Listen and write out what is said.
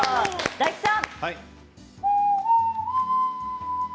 大吉さん。